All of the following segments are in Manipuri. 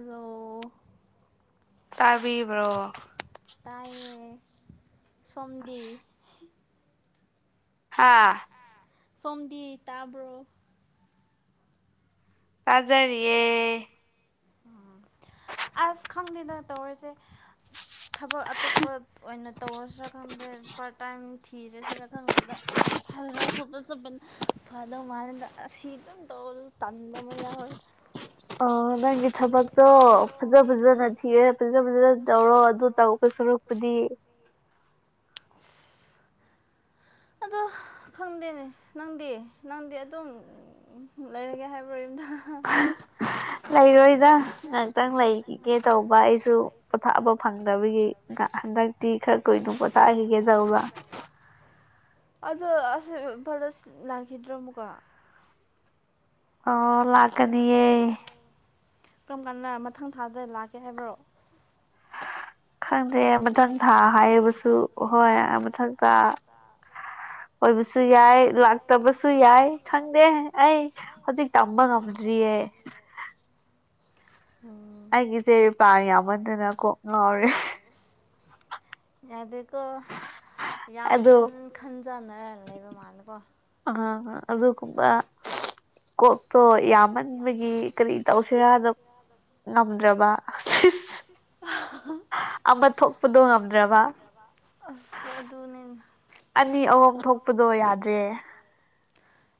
ꯑꯗꯣ ꯇꯥꯏ ꯇꯥꯏꯌꯦ ꯁꯟꯗꯤ ꯍꯥꯥ ꯁꯣꯝꯗꯤ ꯇꯥꯕ꯭ꯔꯣ ꯇꯥꯖꯔꯤꯌꯦ ꯎꯝ ꯑꯁ ꯈꯪꯗꯦꯅ ꯇꯧꯔꯤꯁꯦ ꯊꯕꯛ ꯑꯇꯣꯞꯄ ꯑꯣꯏꯅ ꯇꯧꯔꯁꯨꯔꯥ ꯈꯪꯗꯦ ꯄ ꯇꯥꯏꯝ ꯊꯤꯔꯁꯤꯔ ꯈꯪꯗꯦꯗ ꯑꯁ ꯁꯣꯇ ꯆꯠꯄꯟ ꯐꯗꯧ ꯃꯗ ꯑꯁꯤ ꯝ ꯇꯣꯜ ꯇꯟꯗ ꯃꯥ ꯑꯣꯏꯅ ꯑ ꯅꯪꯒꯤ ꯊꯕꯛꯇꯣ ꯐꯖ ꯐꯖꯅ ꯊꯤꯔꯦ ꯐꯖ ꯐꯖꯅ ꯇꯧꯔꯣ ꯑꯗꯨ ꯇꯧꯔꯒ ꯁꯨꯔꯛꯄꯨꯗꯤ [inaudible] ꯑꯗꯣ ꯐꯪꯗꯦꯅꯦ ꯅꯪꯗꯤ ꯅꯪꯗꯤ ꯑꯗꯨꯝ ꯂꯩꯔꯒꯦ ꯍꯥꯏꯕꯝ ꯑ ꯂꯩꯔꯣꯏꯗ ꯉꯍꯥꯛꯇꯪ ꯂꯩꯈꯤꯒꯦ ꯇꯧꯕ ꯑꯩꯁꯨ ꯄꯣꯊꯥꯕ ꯐꯪꯗꯕꯒꯤ ꯍꯟꯗꯛꯇꯤ ꯈꯔ ꯀꯨꯏꯅꯨ ꯄꯣ ꯇꯥꯛꯈꯤꯒꯦ ꯇꯧꯕ ꯑꯗꯣ ꯑꯁ ꯄꯂꯁ ꯂꯥꯛꯈꯤꯗ꯭ꯔꯣ ꯑꯃꯨꯀꯣ ꯑꯣ ꯂꯥꯛꯀꯗꯤꯌꯦ ꯀꯔꯝ ꯀꯥꯟꯗ ꯃꯊꯪ ꯊꯥꯗ ꯂꯥꯛꯀꯦ ꯍꯥꯏꯕ꯭ꯔꯣ ꯈꯪꯗꯦ ꯃꯊꯪ ꯊꯥ ꯍꯥꯏꯔꯕꯁꯨ ꯍꯣꯏ ꯃꯊꯪ ꯊꯥ ꯑꯣꯏꯕꯨ ꯌꯥꯏ ꯂꯥꯛꯇꯕꯁꯨ ꯌꯥꯏ ꯈꯪꯗꯦ ꯑꯩ ꯍꯧꯖꯤꯛ ꯇꯝꯕ ꯉꯝꯗ꯭ꯔꯤꯌꯦ [inaudible] ꯑꯩꯒꯤꯁꯦ ꯄꯥ ꯌꯥꯝꯃꯟꯗꯅ ꯀꯣꯛ ꯉꯥꯎꯔꯦ ꯀꯣ ꯌꯥꯝ ꯈꯟꯖꯅꯔ ꯂꯩꯕ ꯃꯥꯅꯀꯣ ꯀꯨꯝꯕ ꯀꯣꯛꯇꯣ ꯌꯥꯝꯃꯟꯕꯒꯤ ꯀꯔꯤ ꯇꯧꯁꯤꯔꯥꯗꯣ ꯅꯝꯗ꯭ꯔꯕ ꯑꯃ ꯊꯣꯛꯄꯗꯣ ꯉꯝꯗ꯭ꯔꯕ ꯑꯅꯤ ꯑꯍꯨꯝ ꯊꯣꯛꯄꯗꯣ ꯌꯥꯗ꯭ꯔꯦ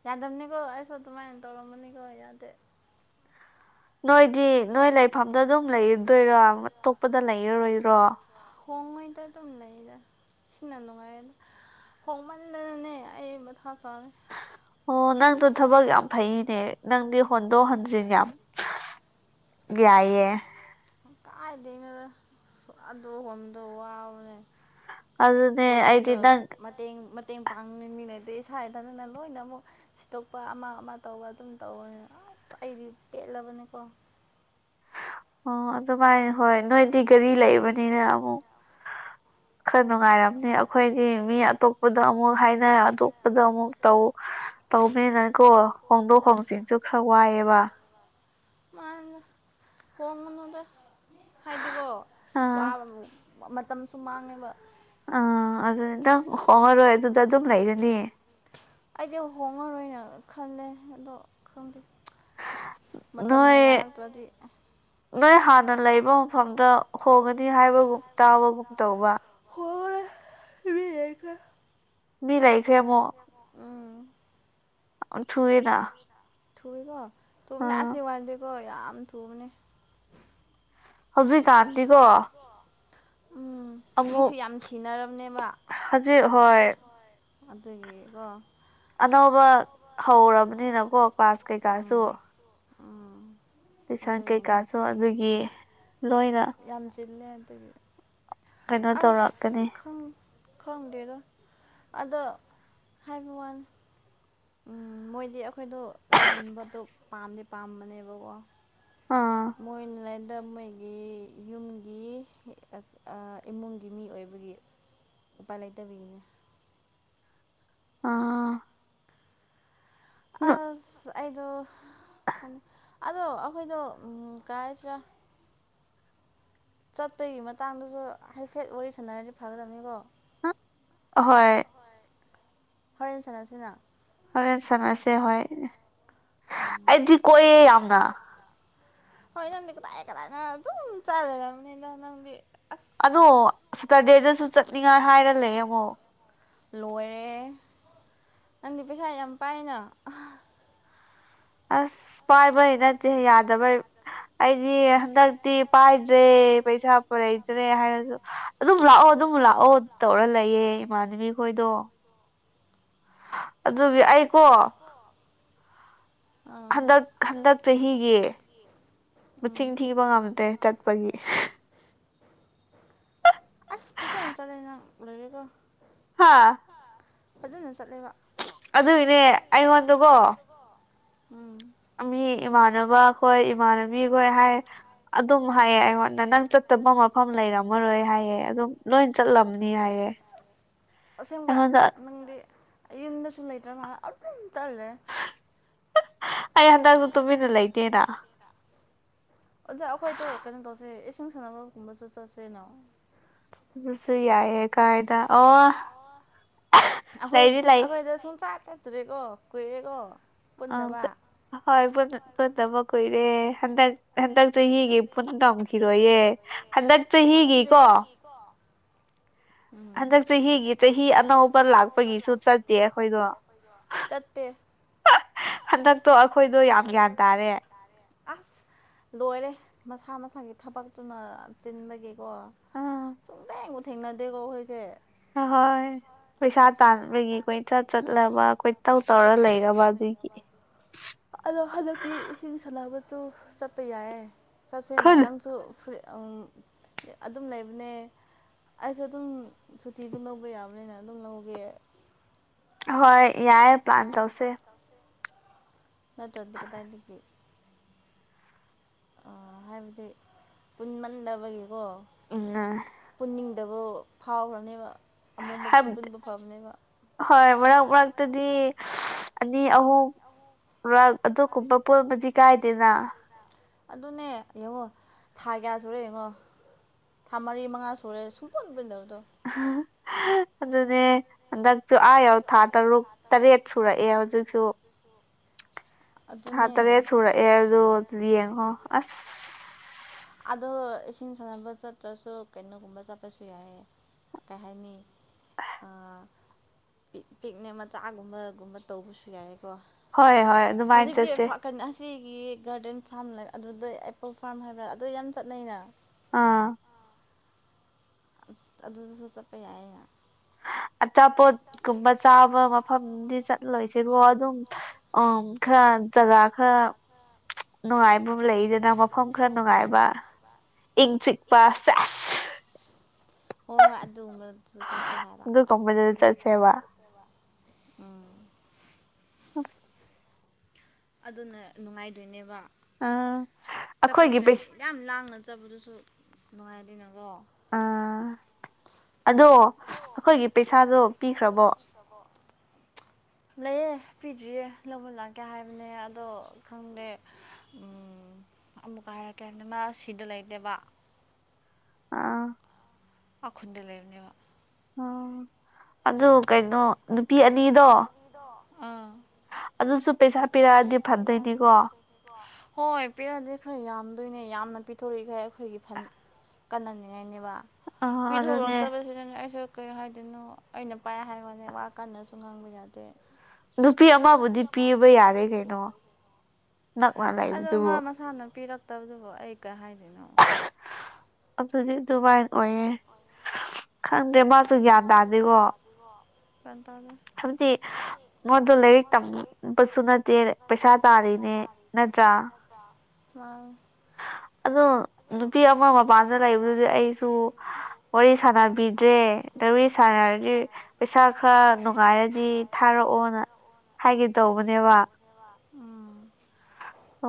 ꯌꯥꯗꯝꯕꯅꯤꯀꯣ ꯑꯩꯁꯨ ꯑꯗꯨꯃꯥꯏꯅ ꯇꯧꯔꯝꯃꯅꯤꯀꯣ ꯌꯥꯗꯦ ꯅꯣꯏꯗꯤ ꯅꯣꯏ ꯂꯩꯐꯝꯗ ꯑꯗꯨꯝ ꯂꯩꯔꯗꯣꯏꯔꯣ ꯑꯇꯣꯞꯄꯗ ꯂꯩꯔꯔꯣꯏꯔꯣ ꯍꯣꯡꯉꯩꯗ ꯑꯗꯨꯝ ꯂꯩꯗ ꯁꯤꯅ ꯅꯨꯡꯉꯥꯏꯗ ꯍꯣꯡꯃꯥꯟꯗꯅꯦ ꯑꯩ ꯀꯊ ꯑꯣ ꯅꯪꯗꯣ ꯊꯕꯛ ꯌꯥꯝ ꯐꯩꯅꯦ ꯅꯪꯗꯤ ꯍ ꯗꯣ ꯍꯟꯁꯤ ꯌꯥ ꯌꯥꯏꯌꯦ ꯀꯥꯏꯗꯦꯉꯗ ꯁꯗ ꯍꯣꯟꯗ ꯋꯥꯕꯅꯦ ꯄꯣꯠ ꯆꯩꯗꯣ ꯃꯇꯦꯡ ꯃꯇꯦꯡ ꯄꯥꯡꯅꯃꯤꯟꯅꯗꯦ ꯁꯥꯏꯗꯗꯅ ꯂꯣꯏꯅ ꯑꯃꯨꯛ ꯁꯤꯠꯇꯣꯛꯄ ꯑꯃ ꯑꯃ ꯇꯧꯕ ꯑꯗꯨꯝ ꯇꯧꯕꯅꯤꯅ ꯑꯁ ꯑꯩꯗꯤ ꯄꯦꯂꯕ ꯅꯤꯀꯣ [inaudible] ꯑꯣ ꯑꯗꯨꯃꯥꯏꯅ ꯍꯣꯏ ꯅꯣꯏꯗꯤ ꯒꯥꯔꯤ ꯂꯩꯕꯅꯤꯅ ꯑꯃꯨꯛ ꯈꯔ ꯅꯨꯡꯉꯥꯏꯔꯝꯅꯤ ꯑꯩꯈꯣꯏꯗꯤ ꯃꯤ ꯑꯇꯣꯞꯄꯗ ꯑꯃꯨꯛ ꯍꯥꯏꯅꯔ ꯑꯇꯣꯞꯄꯗ ꯑꯃꯨꯛ ꯇꯧ ꯇꯧꯅꯤꯅꯀꯣ ꯍꯣꯡꯗꯣꯛ ꯍꯣꯡꯖꯤꯟꯁꯨ ꯈꯔ ꯋꯥꯏꯑꯦꯕ ꯃꯥꯅꯦ ꯍꯣꯡꯉꯅꯨꯗ ꯍꯥꯏꯗꯤꯀꯣ ꯋꯥꯕ ꯃꯇꯝꯁꯨ ꯃꯥꯡꯉꯦꯕ ꯑ ꯑꯗꯨꯗꯥ ꯍꯔ ꯑꯣꯏꯌꯦ ꯑꯗꯨꯗ ꯑꯗꯨ ꯃꯅꯥꯏ ꯂꯅꯤ [unintelligible] ꯈꯜꯂꯦ ꯑꯗꯣ ꯈꯪꯗꯦ ꯃꯇꯝꯅ ꯌꯥꯔꯛꯇ꯭ꯔꯗꯤ ꯍꯥꯟꯅ ꯂꯩꯕ ꯃꯐꯝꯗ ꯍꯣꯡꯒꯅꯤ ꯍꯥꯏꯕꯒꯨꯝ ꯇꯥꯕꯒꯨꯝ ꯇꯧꯕ ꯑꯣ ꯒ [unintelligible] ꯃꯤ ꯂꯩꯈ꯭ꯔꯦ ꯑꯃꯣꯛ ꯊꯨꯋꯦꯅ ꯊꯨꯕꯦꯀꯣ ꯊꯨꯕꯅ ꯑꯁꯦ ꯋꯥꯜꯗꯦꯀꯣ ꯌꯥꯝ ꯊꯨꯕꯅꯤ [unintelligible] ꯍꯧꯖꯤꯛ ꯀꯥꯟꯇꯤꯀꯣ ꯎꯝ ꯃꯤꯁꯨ ꯌꯥꯝ ꯊꯤꯅꯔꯝꯅꯦꯕ ꯍꯣꯏ ꯑꯗꯨꯒꯤꯀꯣ ꯑꯅꯧꯕ ꯍꯧꯔꯕꯅꯤꯅꯀꯣ ꯀ꯭ꯂꯥꯁ ꯀꯩꯀꯥꯁꯨ ꯑꯥꯝ ꯂꯤꯩꯁꯥꯡ ꯀꯩꯀꯥꯁꯨ ꯑꯗꯨꯒꯤ ꯂꯣꯏꯅ ꯜꯦ ꯑꯇꯥꯗꯒꯤ [inaudible] ꯀꯩꯅꯣ ꯇꯧꯔꯛꯀꯅꯤ ꯈꯪꯗꯦꯗꯣ ꯑꯗ ꯍꯥꯏꯕ ꯋꯥꯅꯤ ꯎꯝ ꯃꯣꯏꯗꯤ ꯑꯩꯈꯣꯏꯗꯣ ꯂꯩꯍꯟꯕꯗꯣ ꯄꯥꯝꯗꯤ ꯄꯥꯝꯕꯅꯦꯕꯀꯣ ꯃꯣꯏ ꯅꯥꯏ ꯃꯣꯏꯒꯤ ꯌꯨꯝꯒꯤ ꯏꯃꯨꯡꯒꯤ ꯃꯤ ꯑꯣꯏꯕꯒꯤ ꯎꯄꯥꯏꯂꯩꯇꯕꯅꯤꯅꯦ ꯑꯥ ꯑꯁ ꯑꯩꯗꯣꯪ ꯑꯗꯣ ꯑꯩꯈꯣꯏꯗꯣ ꯀꯥꯏꯁꯤꯔꯥ ꯆꯠꯄꯒꯤ ꯃꯇꯥꯡꯗꯁꯨ ꯍꯥꯏꯐꯦꯠ ꯋꯥꯔꯤ ꯁꯥꯟꯅꯔꯗꯤ ꯐꯒꯗꯕꯅꯤꯀꯣ ꯍꯣꯏ ꯍꯣꯔꯦꯟ ꯆꯅꯁꯤꯅ ꯍꯣꯔꯦꯟ ꯁꯥꯟꯅꯁꯦ ꯍꯣꯏ ꯑꯩꯗꯤ ꯀꯣꯏꯌꯦ ꯌꯥꯝꯅ ꯍꯣꯏ ꯅꯪꯗꯤ ꯀꯗꯥꯏ ꯀꯗꯥꯥꯏꯅ ꯑꯗꯨꯝ ꯆꯥꯂꯕꯅꯤꯅ ꯅꯪꯗꯤ ꯑꯗꯣ ꯁꯇꯔꯗꯦꯗꯁꯨ ꯆꯠꯅꯤꯡꯉꯥꯏ ꯍꯥꯏꯔ ꯂꯩ ꯑꯃꯃꯣ ꯂꯣꯏꯔꯦ ꯅꯪꯗꯤ ꯄꯩꯁꯥ ꯌꯥꯝ ꯄꯥꯏꯅ ꯑꯁ ꯄꯥꯏꯕꯩ ꯅꯠꯇꯦ ꯌꯥꯗꯕꯩ ꯑꯩꯗꯤ ꯍꯟꯗꯛ ꯖꯤꯛꯇꯤ ꯄꯥꯏꯗ꯭ꯔꯦ ꯄꯩꯁꯥ ꯄꯨꯔꯩꯇ꯭ꯔꯦ ꯍꯥꯏꯅꯁꯨ ꯑꯗꯨꯝ ꯂꯥꯛꯑꯣ ꯑꯗꯨꯝ ꯂꯥꯛꯑꯣ ꯇꯧꯔ ꯂꯩꯌꯦ ꯏꯃꯥꯟꯅꯕꯤ ꯈꯣꯏꯗꯣ ꯑꯗꯨꯒꯤ ꯑꯩꯀꯣ ꯍꯟꯗꯛ ꯍꯟꯗꯛ ꯆꯍꯤꯍꯤ ꯌꯦ ꯃꯁꯤꯡ ꯊꯤꯕ ꯉꯝꯗꯦ ꯆꯠꯄꯒꯤ ꯑꯁ ꯐꯁꯅ ꯆꯂꯅ ꯂ ꯂꯩꯒꯦꯀꯣ ꯍꯥꯥ ꯑꯗꯨꯅꯥ ꯆꯥꯠ ꯑꯗꯨꯏꯅꯦ ꯑꯩꯉꯣꯟꯗꯨꯀꯣ ꯑꯃ ꯋꯥ [unintelligible] ꯏꯃꯅꯕ ꯑꯩꯈꯣꯏ ꯏꯃꯥꯟꯅꯕꯤꯈꯣꯏ ꯍꯥꯏ ꯑꯗꯨꯝ ꯍꯥꯏꯌꯦ ꯑꯩꯉꯣꯟꯗ ꯅꯪ ꯆꯠꯇꯕ ꯃꯐꯝ ꯂꯩꯔꯝꯃ ꯃꯔꯣꯏ ꯍꯥꯏꯌꯦꯦ ꯑꯗꯨꯝ ꯂꯣꯏ ꯆꯠꯂꯝꯕꯅꯤ ꯍꯥꯏꯑꯦ ꯑꯁꯦꯡꯕ ꯅꯪꯗꯤ ꯌꯨꯝꯗ ꯁꯨꯝ ꯂꯩꯇ꯭ꯔꯥꯃ ꯑꯗꯨꯝ ꯇꯂꯦ ꯑꯩ ꯍꯟꯗꯛꯁꯨ ꯇꯨꯃꯤꯟꯅ ꯂꯩꯇꯦꯅ ꯑꯗ ꯑꯩꯈꯣꯏꯗꯣ ꯀꯩꯅꯣ ꯇꯧꯁꯦ ꯏꯁꯤꯡ ꯁꯥꯟꯅꯕꯒꯨꯝꯕꯁꯨ ꯆꯠꯁꯦꯅꯣ ꯑꯗꯨꯁꯨꯌꯥꯏꯌꯦ ꯀꯥꯏꯗ ꯑ ꯑꯩꯈꯣꯏ ꯑꯩꯈꯣꯏꯗ ꯁꯨꯡꯆꯥ ꯆꯠꯇ꯭ꯔꯦꯀꯣ ꯀꯨꯏꯔꯦꯀꯣ ꯄꯨꯟꯕ ꯍꯣꯏ ꯄꯨꯟ ꯑꯃ ꯀꯨꯏꯔꯦ ꯍꯟꯗꯛ ꯍꯟꯗꯛ ꯆꯍꯤꯒꯤ ꯄꯨꯟ ꯇꯝꯈꯤꯔꯣꯏꯌꯦ ꯍꯟꯗꯛ ꯆꯍꯤꯒꯤꯀꯣ ꯑꯟꯛ ꯇ ꯍꯤꯒꯤ ꯇ ꯍ ꯑꯅ ꯐ ꯑꯅꯧꯕ ꯂꯥꯛꯄꯒꯤꯁꯨ ꯆꯠꯇꯦ ꯑꯩꯈꯣꯏꯗ ꯆꯠꯇꯦ ꯍꯟꯗꯛꯇꯣ ꯑꯩꯈꯣꯏꯗꯣ ꯌꯥꯝ ꯒ꯭ꯌꯥꯟ ꯇꯥꯔꯦ ꯑꯁ ꯂꯣꯏꯔꯦ ꯃꯁꯥ ꯃꯁꯥꯒꯤ ꯊꯕꯛꯇꯨꯅ ꯆꯤꯟꯕꯒꯤꯀꯣ ꯁꯨꯡꯊꯦꯡꯕꯨ ꯊꯦꯡꯅꯗꯦꯀꯣ ꯑꯈꯣꯏꯁꯦ ꯍꯣꯏ ꯍꯣꯏ ꯄꯩꯁꯥ ꯇꯥꯟꯕꯒꯤ ꯀꯣꯏꯆꯠ ꯆꯠꯂꯕ ꯀꯣꯏꯇꯧ ꯇꯧꯔ ꯂꯩꯔꯕ ꯑꯗꯨꯒꯤ ꯑꯗꯣ ꯍꯟꯗꯛꯇꯤ ꯏꯁꯤꯡ ꯁꯥꯟꯅꯕꯁꯨ ꯆꯠꯄ ꯌꯥꯏꯌꯦ ꯆꯠꯁꯦꯅ ꯅꯪꯁꯨ ꯐꯨꯔꯤ ꯎꯪ ꯑꯗꯨꯝ ꯂꯩꯕꯅꯦ ꯑꯩꯁꯨ ꯑꯗꯨꯝ ꯁꯨꯇꯤꯗ ꯂꯧꯕ ꯌꯥꯕꯅꯤꯅ ꯑꯗꯨꯝ ꯂꯧꯒꯦ ꯍꯣꯏ ꯌꯥꯏꯌꯦ ꯄ꯭ꯂꯥꯟ ꯇꯧꯁꯦ ꯅꯠꯇꯗꯤ ꯀꯗꯥꯏꯗꯒꯤ ꯑ ꯍꯥꯏꯕꯗꯤ ꯄꯨꯟꯃꯟꯗꯕꯒꯤ ꯎꯝꯉꯥ ꯑꯗꯕꯨ ꯐꯥꯎꯈꯔꯅꯦꯕ ꯍꯥꯏꯕꯗꯤ ꯍꯣꯏ ꯃꯔꯛ ꯃꯔꯛꯇꯗꯤ ꯁ ꯑꯅꯤ ꯑꯍꯨꯝ ꯔꯛ ꯑꯗꯨꯒꯨꯝꯕ ꯄꯨꯃꯗꯤ ꯀꯥꯏꯗꯦꯅ ꯑꯗꯨꯅꯦ ꯌꯦꯡꯉꯣ ꯊꯥ ꯀꯌꯥ ꯁꯨꯔꯦ ꯌꯦꯡꯉꯣ ꯊꯥ ꯃꯔꯤ ꯃꯉꯥ ꯁꯨꯔꯦ ꯁꯨꯡꯄꯨꯟ ꯄꯨꯟꯗ ꯑꯍꯥ ꯍꯥ ꯍꯥ ꯑꯗꯨꯅꯦ ꯍꯟꯗꯛ ꯆꯨ ꯑꯥ ꯌꯧ ꯊꯥ ꯇꯔꯨꯛ ꯇꯔꯦꯠ ꯁꯨꯔꯛꯑꯦ ꯍꯧꯖꯤꯛꯁꯨ ꯊꯥ ꯇꯔꯦꯠ ꯁꯨꯔꯛꯑꯦ ꯑꯗꯨ ꯂꯤꯌꯦꯡꯉꯣ ꯑꯁ ꯑꯗꯣ ꯏꯁꯤꯡ ꯁꯥꯟꯅꯕ ꯆꯠꯇ꯭ꯔꯁꯨ ꯀꯩꯅꯣꯒꯨꯝꯕ ꯆꯠꯄꯁꯨ ꯌꯥꯏꯌꯦ ꯀꯩ ꯍꯥꯏꯅꯤ ꯄꯤꯛ ꯄꯤꯛꯅꯦ ꯃꯆꯥꯒꯨꯝꯕ ꯒꯨꯝꯕ ꯇꯧꯕꯁꯨ ꯌꯥꯏ ꯍꯣꯏ ꯍꯣꯏ ꯑꯗꯨꯃꯥꯏ ꯆꯠꯁꯦ ꯒꯤ ꯒꯥꯔꯗꯦꯟ ꯐꯥꯝ ꯂꯩ ꯑꯗꯨꯗ ꯑꯦꯄꯜ ꯐꯥꯔꯝ ꯍꯥꯏꯕ꯭ꯔꯥ ꯑꯗꯨ ꯌꯥꯝ ꯆꯠꯅꯩꯅ ꯑꯥ ꯑꯗꯨꯗꯨꯁꯨ ꯆꯠꯄ ꯌꯥꯏꯌꯦꯅ ꯑꯆꯥꯄꯣꯠ ꯀꯨꯝꯕ ꯆꯥꯕ ꯃꯐꯝꯗꯤ ꯆꯠꯂꯣꯏꯁꯤꯀꯣ ꯑꯗ ꯑꯗꯨꯝ ꯎꯝ ꯈꯔ ꯖꯒꯥ ꯈꯔ ꯅꯨꯡꯉꯥꯏꯕꯝ ꯂꯩꯗꯅ ꯃꯐꯝ ꯈꯔ ꯅꯨꯡꯉꯥꯏꯕ ꯏꯪ ꯆꯤ ꯁꯦꯁ ꯍꯣꯏ ꯍꯣꯏ ꯑꯗꯨꯒꯨꯝꯕ ꯗꯨꯖ ꯆꯠꯁꯦ ꯍꯥꯏꯕ ꯑꯗꯨꯒꯨꯝꯕꯗꯨ ꯆꯠꯁꯦꯕ ꯎꯝ [inaudible] ꯑꯗꯨꯅ ꯅꯨꯡꯉꯥꯏꯗꯣꯏꯅꯦꯕ ꯑꯥ ꯑꯈꯣꯏꯒꯤ ꯄꯩꯁ ꯆꯠꯄꯗꯨꯁꯨ ꯅꯨꯡꯉꯥꯏꯗꯦꯅꯀꯣ ꯑꯥ ꯑꯗꯣ ꯑꯈꯣꯏꯒꯤ ꯄꯩꯁꯥꯗꯣ ꯄꯤꯈ꯭ꯔꯕꯣ [inaudible] ꯂꯩꯌꯦ ꯄꯤꯗ꯭ꯔꯤꯌꯦ ꯂꯧꯕ ꯂꯥꯛꯀꯦ ꯍꯥꯏꯕꯅꯦ ꯑꯗꯣ ꯈꯪꯗꯦ ꯎꯝ ꯑꯃꯨꯛꯀ ꯍꯥꯏꯔꯛꯀꯦ ꯗꯃ ꯁꯤꯗ ꯂꯩꯇꯦꯕ ꯑꯥ ꯑꯥ ꯈꯨꯟꯗ ꯂꯩꯕꯅꯦꯕ ꯑꯥ ꯑꯗꯨ ꯀꯩꯅꯣ ꯅꯨꯄꯤ ꯑꯅꯤꯗꯣ ꯑꯗꯨꯁꯨ ꯄꯩꯁꯥ ꯄꯤꯔꯛꯑꯗꯤ ꯐꯗꯣꯏꯅꯤꯀꯣ ꯍꯣꯏ ꯄꯤꯔꯛꯑꯗꯤ ꯈꯔ ꯌꯥꯝꯗꯣꯏꯅꯦ ꯌꯥꯝꯅ ꯄꯤꯊꯣꯔꯤꯈꯩ ꯑꯈꯣꯏꯒꯤ ꯐꯟ ꯀꯥꯟꯅ ꯅꯤꯡꯉꯥꯏꯅꯦꯕ ꯄꯤꯊꯣꯛꯂꯛꯇꯕ ꯁꯤꯗꯅꯦ ꯑꯩꯁꯦ ꯀꯩ ꯍꯥꯏꯗꯣꯏꯅꯣ ꯑꯩꯅ ꯄꯥꯏ ꯍꯥꯏꯕ ꯋꯥꯅꯦ ꯋꯥ ꯀꯟꯅꯁꯨ ꯉꯥꯡꯕ ꯌꯥꯗꯦ ꯅꯨꯄꯤ ꯑꯃꯕꯨꯗꯤ ꯄꯤꯕ ꯌꯥꯔꯦ ꯀꯩꯅꯣ ꯑꯗꯣ ꯃꯥ ꯃꯁꯥꯅ ꯄꯤꯔꯛꯇꯕꯗꯨꯕꯨ ꯑꯩ ꯀꯩ ꯍꯥꯏꯅꯤ ꯑꯗꯨꯗꯤ ꯗꯨꯃꯥꯏꯅ ꯑꯣꯏꯌꯦ ꯈꯪꯗꯦ ꯃꯥ ꯈꯪꯗꯦ ꯃꯥꯁꯨ ꯒꯌ꯭ꯥꯟ ꯇꯥꯗꯤꯀꯣ ꯍꯥꯏꯕꯗꯤ ꯃꯣꯏꯗꯣ ꯂꯥꯏꯔꯤꯛ ꯇꯝꯕꯁꯨ ꯅꯠꯇꯦ ꯄꯩꯁꯥ ꯇꯥꯔꯤꯅꯦ ꯅꯠꯇ꯭ꯔꯥ ꯃꯥꯡ ꯑ ꯑꯗꯣ ꯅꯨꯄꯤ ꯑꯃ ꯃꯄꯥꯟꯗ ꯂꯩꯕꯗꯨꯗꯤ ꯑꯩꯁꯨ ꯋꯥꯔꯤ ꯁꯥꯟꯅꯕꯤꯗ꯭ꯔꯦ ꯏ ꯁꯥꯟꯅ ꯍꯥꯏꯔꯗꯤ ꯄꯩꯁꯥ ꯈꯔ ꯅꯨꯡꯉꯥꯏꯔꯗꯤ ꯊꯥꯔꯛꯑꯣꯅ ꯍꯥꯏꯒꯦ ꯇꯧꯕꯅꯦꯕ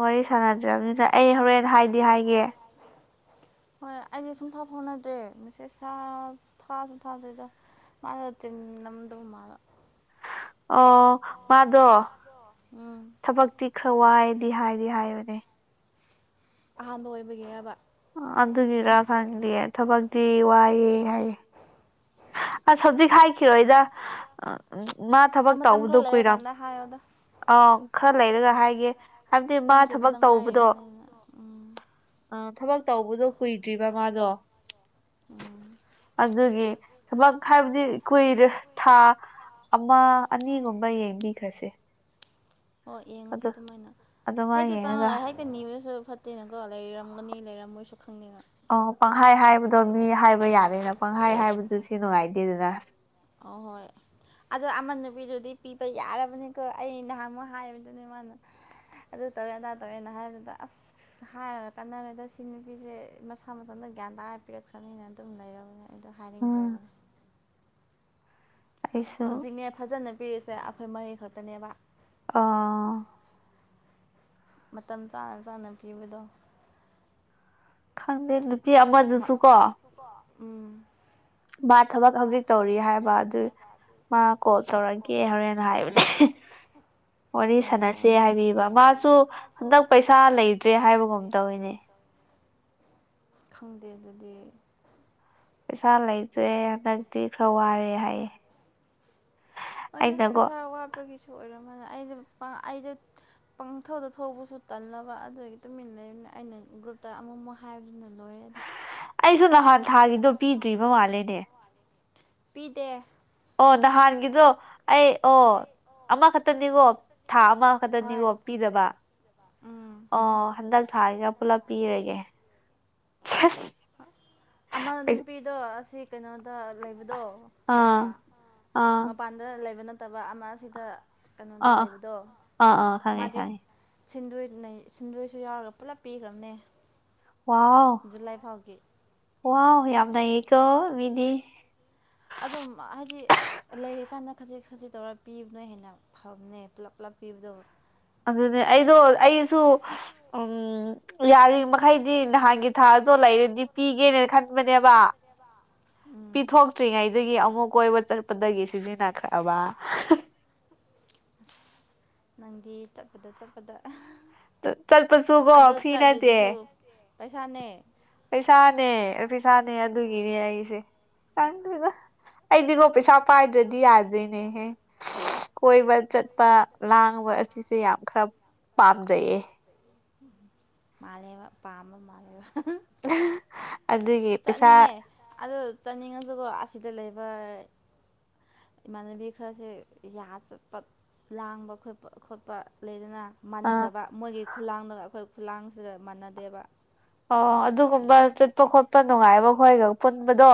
ꯋꯥꯔꯤ ꯁꯥꯟꯅꯗ꯭ꯔꯕꯅꯤꯅ ꯑꯩ ꯍꯣꯔꯦꯟ ꯍꯥꯏꯗꯤ ꯍꯥꯏꯒꯦ ꯍꯣꯏ ꯑꯩꯁꯦ ꯁꯨꯝ ꯐ ꯍꯣꯠꯅꯗ꯭ꯔꯦ ꯃꯤꯁꯦ ꯁꯥ ꯊꯥꯁꯨ ꯊꯥꯗꯣꯏꯗ ꯃꯥꯅ ꯇꯤ ꯅꯝꯗꯧ ꯃꯥꯂ ꯑꯣ ꯃꯥꯗꯣ ꯊꯕꯛꯇꯤ ꯈꯔ ꯋꯥꯏꯗꯤ ꯍꯥꯏ ꯍꯥꯏꯕꯅꯦ ꯑꯍꯥꯟꯕ ꯑꯣꯏꯕꯒꯤ ꯌꯥꯕ ꯑꯗꯨꯒꯤꯔꯥ ꯈꯪꯗꯦ ꯊꯕꯛꯇꯤ ꯋꯥꯏꯑꯦ ꯍꯥꯏꯌꯦ ꯑꯁ ꯍꯧꯖꯤꯛ ꯍꯥꯏꯈꯤꯔꯣꯗ ꯃꯥ ꯊꯕꯛ ꯇꯧꯕꯗꯣ ꯀꯨꯏꯔꯝ ꯑꯪ ꯈꯔ ꯂꯩꯔꯒ ꯍꯥꯏꯒꯦ ꯍꯥꯏꯕꯗꯤ ꯃꯥ ꯊꯕꯛ ꯇꯧꯕꯗꯣ ꯑ ꯊꯕꯛ ꯇꯧꯕꯗꯣ ꯀꯨꯏꯗ꯭ꯔꯤꯕ ꯃꯥꯗꯣ ꯑꯗꯨꯒꯤ ꯊꯕꯛ ꯍꯥꯏꯕꯗꯤ ꯀꯨꯏꯔꯦ ꯊꯥ ꯑꯃ ꯑꯅꯤꯒꯨꯝꯕ ꯌꯦꯡꯕꯤꯈ꯭ꯔꯁꯦ ꯑꯣ ꯌꯦꯡꯉꯁꯤ ꯑꯗꯨꯃꯥꯏꯅ ꯍꯦꯛꯇ ꯆꯪꯉꯒ ꯍꯦꯛꯇ ꯅꯤꯕꯁꯨ ꯐꯠꯇꯦꯅꯀꯣ ꯂꯩꯔꯝꯒꯅꯤ ꯂꯩꯔꯝꯃꯣꯏꯁꯨ ꯈꯪꯗꯅ ꯑꯣ ꯄꯪꯍꯥꯏ ꯍꯥꯏꯕꯗꯣ ꯃꯤ ꯍꯥꯏꯕ ꯌꯥꯅꯤꯅ ꯄꯪꯍꯥꯏ ꯍꯥꯏꯕꯗꯨ ꯁꯤ ꯅꯨꯡꯉꯥꯏꯇꯦꯗꯅ ꯑ ꯍꯣꯏ ꯑꯗꯣ ꯑꯃ ꯅꯨꯄꯤꯗꯨꯗꯤ ꯄꯤꯕ ꯌꯥꯔꯕꯅꯤꯀꯣ ꯑꯩ ꯅꯍꯥꯟꯃꯨꯛ ꯍꯥꯏꯕꯗꯨꯅꯦ ꯃꯥꯅ ꯑꯗꯨ ꯇꯧꯋꯦ ꯑꯗꯥ ꯇꯧꯋꯦꯅ ꯍꯥꯏꯕꯗꯨꯗ ꯑꯁ ꯍꯥꯏ ꯀꯥꯟꯅꯔꯗ ꯁꯤ ꯅꯨꯄꯤꯁꯦ ꯃꯁꯥ ꯃꯊꯟꯇ ꯒ꯭ꯌꯥꯟ ꯇꯥꯔ ꯄꯤꯔꯛꯁꯅꯤꯅ ꯑꯗꯨꯝ ꯂꯩꯔꯕꯅꯤ ꯑꯩꯗꯣ ꯍꯥꯏꯅꯤꯡꯗ꯭ꯔꯕꯅꯦ ꯍꯧꯖꯤꯛꯅꯦ ꯐꯖꯅ ꯄꯤꯔꯤꯁꯦ ꯑꯩꯈꯣꯏ ꯃꯔꯤ ꯈꯛꯇꯅꯦꯕ ꯑꯥ ꯃꯇꯝ ꯆꯥꯅ ꯆꯥꯅ ꯄꯤꯕꯗꯣ ꯈꯪꯗꯦ ꯅꯨꯄꯤ ꯑꯃꯗꯨꯁꯨ ꯀꯣ [inaudible] ꯃꯥ ꯊꯕꯛ ꯍꯧꯖꯤꯛ ꯇꯧꯔꯤ ꯍꯥꯏꯕ ꯑꯗꯨ ꯃꯥ ꯀꯣꯜ ꯇꯧꯔꯒꯦ ꯍꯣꯔꯦꯟ ꯍꯥꯏꯕꯅꯦ [inaudible] ꯋꯥꯔꯤ ꯁꯥꯟꯅꯁꯦ ꯍꯥꯏꯕꯤꯕ ꯃꯥꯁꯨ ꯍꯟꯗꯛ ꯄꯩꯁꯥ ꯂꯩꯇ꯭ꯔꯦ ꯍꯥꯏꯕꯒꯨꯝ ꯇꯧꯔꯤꯅꯦ [inaudible] ꯈꯪꯗꯦ ꯑꯗꯨꯗꯤ ꯄꯩꯁꯥ ꯂꯩꯇ꯭ꯔꯦ ꯍꯟꯗꯛꯇꯤ ꯈꯔ ꯋꯥꯔꯦ ꯍꯥꯏꯌꯦ ꯑ ꯑꯣꯏꯅ ꯄꯩꯁꯥ ꯋꯥꯠꯄꯒꯤꯁꯨ ꯑꯣꯏꯔꯝꯝꯕꯅꯤ ꯑꯩꯅ ꯑꯩꯗ ꯄꯪꯊꯧꯗ ꯊꯧꯕꯁꯨ ꯇꯜꯂꯕ ꯑꯗꯨꯗꯒꯤ ꯇꯨꯃꯤꯟꯅ ꯂꯩꯔꯕꯅꯤꯅ ꯑꯩꯅ ꯒ꯭ꯔꯨꯞꯇ ꯑꯃꯃꯨꯛ ꯍꯥꯏꯕꯗꯨꯅ ꯂꯣꯏꯔꯦ ꯑꯩꯁꯨ ꯅꯍꯥꯟ ꯊꯥꯒꯤꯗꯣ ꯄꯤꯗ꯭ꯔꯤꯕ ꯃꯥꯜꯂꯦꯅꯦ ꯄꯤꯗꯦ ꯑꯣ ꯅꯍꯥꯟꯒꯤꯗꯣ ꯑꯩ ꯑꯣ ꯑꯃꯈꯛꯇꯅꯤꯀꯣ ꯊꯥ ꯑꯃꯈꯛꯇꯅꯤꯀꯣ ꯄꯤꯗꯕ ꯑꯣ ꯍꯟꯗꯛ ꯊꯥꯔꯒꯦ ꯄꯨꯂ ꯄꯤꯔꯒꯦ ꯑꯃ ꯅꯨꯄꯤꯗꯣ ꯑꯁꯤ ꯀꯩꯅꯣꯗ ꯂꯩꯕꯗꯣ ꯑꯣ ꯀꯩ ꯍꯥꯏꯕ ꯃꯄꯥꯟꯗ ꯂꯩꯕ ꯅꯠꯇꯕ ꯑꯃꯁꯤꯗ ꯑ ꯑ ꯑ ꯈꯉꯦ ꯈꯉꯦ ꯁꯤꯟꯗꯣꯏ ꯁꯤꯟꯗꯣꯏꯁꯨ ꯌꯥꯎꯔꯒ ꯄꯨꯂꯞ ꯄꯤꯈ꯭ꯔꯕꯅꯦ ꯋꯥꯎ ꯋꯥꯎ ꯌꯥꯝꯅꯌꯦꯀꯣ ꯃꯤꯗꯤ ꯑꯗꯨꯝ ꯍꯥꯏꯗꯤ ꯂꯩꯔꯤꯀꯥꯟꯗ ꯈꯖꯤꯛ ꯈꯖꯤꯛ ꯇꯧꯔ ꯄꯤꯕꯅꯣ ꯍꯦꯟꯅ ꯐꯝꯅꯦ ꯄꯨꯂꯞ ꯄꯨꯞ ꯐꯤꯕꯗ ꯑꯗꯨ ꯑꯗꯣ ꯑꯩꯁꯨ ꯎꯝ ꯌꯥꯔꯤꯕ ꯃꯈꯩꯗꯤ ꯅꯍꯥꯟꯒꯤ ꯊꯥ ꯑꯗꯣ ꯂꯩꯔꯗꯤ ꯄꯤ ꯄꯤꯒꯦꯅꯦꯅ ꯈꯟꯕꯅꯦꯕ ꯄꯤꯊꯣꯛꯇ꯭ꯔꯤꯉꯩꯗꯒꯤ ꯑꯃꯨꯛ ꯀꯣꯏꯕ ꯆꯠꯄꯗꯒꯤ ꯁꯤꯖꯤꯟꯅꯈ꯭ꯔꯕ ꯑ ꯅꯪꯗꯤ ꯆꯠꯄꯗ ꯆꯠꯄꯗ ꯆꯠꯄꯁꯨꯀꯣ ꯐꯤꯅꯗꯦ ꯄꯩꯁꯥꯅꯦ ꯄꯩꯁꯥꯅꯦ ꯑꯗꯨꯒꯤꯅꯦ ꯑꯩꯁꯦꯗ꯭ꯣꯏꯗ ꯑꯩꯗꯤꯀꯣ ꯄꯩꯁꯥ ꯄꯥꯏꯗ꯭ꯔꯗꯤ ꯌꯥꯗꯣꯏꯅꯦꯍꯦ ꯀꯣꯏꯕ ꯆꯠꯄ ꯂꯥꯡꯕ ꯑꯁꯤꯁꯦ ꯌꯥꯝ ꯈꯔ ꯄꯥꯝꯖꯩꯌꯦ ꯎ ꯃꯥꯂꯕ ꯄꯥꯝꯕ ꯃꯥꯂꯕ ꯑꯗꯨꯒꯤ ꯄꯩꯁꯥ ꯆꯥꯅꯤꯡꯉꯁꯨꯀꯣ ꯑꯁꯤꯗ ꯂꯩꯕ ꯏꯃꯥꯟꯅꯕꯤ ꯈꯔꯁꯦ ꯌꯥ ꯆꯠꯄ ꯂꯥꯡꯕ ꯈꯣꯠꯄ ꯈꯣꯠꯄ ꯂꯩꯗꯅ ꯃꯥꯟꯅꯗꯕ ꯃꯣꯏꯒꯤ ꯈꯨꯂꯥꯡꯗꯒ ꯑꯩꯈꯣꯏ ꯈꯨꯂꯥꯡꯁꯤꯒ ꯃꯥꯟꯅꯗꯦꯕ ꯑ ꯑꯗꯨꯒꯨꯝꯕ ꯆꯠꯄ ꯈꯣꯠꯄ ꯅꯨꯡꯉꯥꯏꯕ ꯈꯣꯏꯒ ꯄꯨꯟꯕꯗꯣ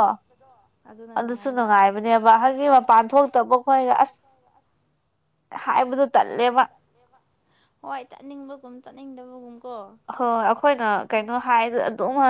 ꯑꯗꯨꯁꯨ ꯅꯨꯡꯉꯥꯏꯕꯅꯦꯕ ꯋꯥꯍꯒꯤ ꯋꯥ ꯄꯥꯟ ꯊꯣꯛꯣꯛꯇꯕꯈꯣꯏ ꯑꯁ ꯍꯥꯏꯕꯗꯨ ꯇꯜꯂꯦꯕ ꯆꯠꯅꯤꯡꯗꯕꯒꯨꯝꯕ ꯍꯣꯏ ꯑꯩꯈꯣꯏꯅ ꯀꯩꯅꯣ ꯍꯥꯏꯗ ꯑꯗꯨꯝ